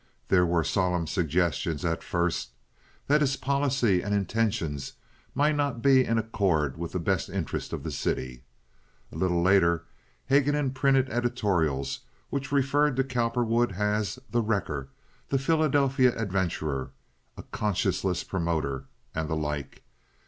There were solemn suggestions at first that his policy and intentions might not be in accord with the best interests of the city. A little later Haguenin printed editorials which referred to Cowperwood as "the wrecker," "the Philadelphia adventurer," "a conscienceless promoter," and the like.